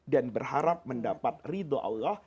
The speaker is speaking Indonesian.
dan berharap mendapat ridho allah